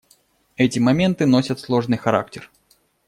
Эти моменты носят сложный характер.